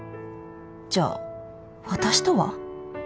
じゃあ私とは？